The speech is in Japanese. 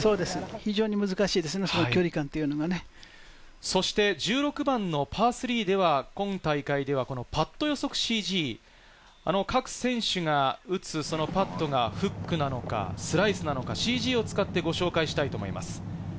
非常に難しいです、そして１６番のパー３では今大会ではパット予測ＣＧ、各選手が打つ、そのパットが、フックなのかスライスなのかＣＧを使って、ご紹介したいと思います。